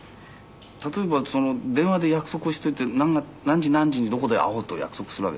例えば電話で約束をしておいて何時何時にどこで会おうと約束するわけですよね。